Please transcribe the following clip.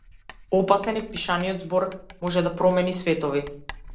Опасен е пишаниот збор - може да промени светови.